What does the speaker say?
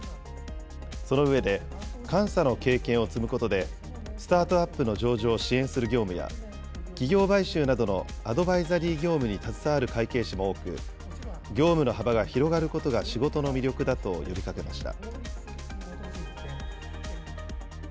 その上で、監査の経験を積むことで、スタートアップの上場を支援する業務や、企業買収などのアドバイザリー業務に携わる会計士も多く、業務の幅が広がることが仕事の魅力だと呼びかけました。